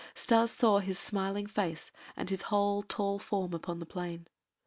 Stas saw his smiling face and his whole tall form upon the plain.